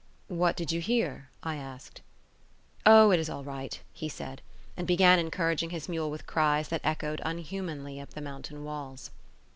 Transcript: "What did you hear?" I asked. "O, it is all right," he said; and began encouraging his mule with cries that echoed unhumanly up the mountain walls.